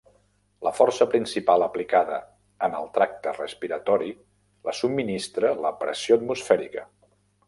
La força principal aplicada en el tracte respiratori la subministra la pressió atmosfèrica.